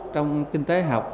trong kinh tế học